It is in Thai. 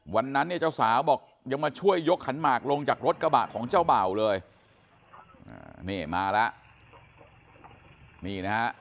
วันนั้นเจ้าสาวบอกยังมาช่วยยกขันหมากลงจากรถกระบะของเจ้าบ่าวเลยมาแล้ว